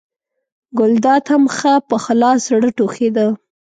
ګلداد هم ښه په خلاص زړه ټوخېده.